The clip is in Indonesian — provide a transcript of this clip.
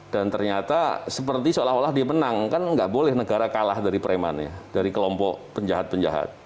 dan ternyata seperti seolah olah dia menang kan nggak boleh negara kalah dari preman ya dari kelompok penjahat penjahat